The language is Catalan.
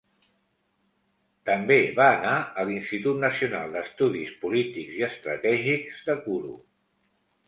També va anar a l'Institut Nacional d'Estudis polítics i Estratègics de Kuru.